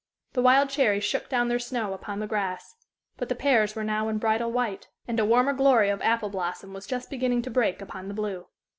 The wild cherries shook down their snow upon the grass; but the pears were now in bridal white, and a warmer glory of apple blossom was just beginning to break upon the blue.